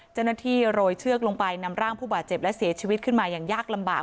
เจ้าหน้าที่โรยเชือกลงไปนำร่างผู้บาดเจ็บและเสียชีวิตขึ้นมาอย่างยากลำบาก